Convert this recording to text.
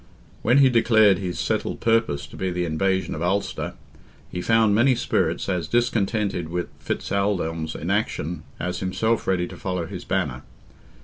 When he declared his settled purpose to be the invasion of Ulster, he found many spirits as discontented with Fitz Aldelm's inaction as himself ready to follow his banner.